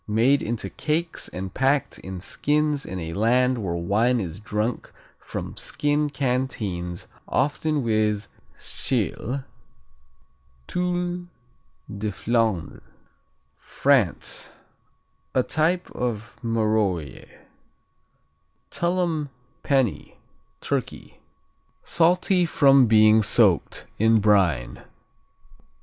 Made into cakes and packed in skins in a land where wine is drunk from skin canteens, often with Tschil. Tuile de Flandre France A type of Marolles. Tullum Penney Turkey Salty from being soaked in brine.